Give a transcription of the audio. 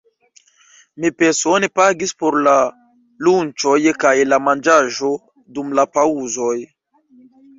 Mi persone pagis por la lunĉoj kaj la manĝaĵo dum la paŭzoj.